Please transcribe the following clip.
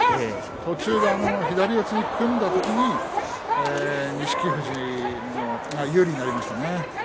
途中で左四つに組んだ時に錦富士が有利になりました。